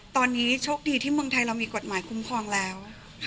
ตอนนี้โชคดีที่เมืองไทยเรามีกฎหมายคุ้มครองแล้ว